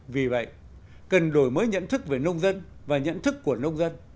vì vậy cần đổi mới nhận thức về nông dân và nhận thức của nông dân